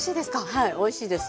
はいおいしいです。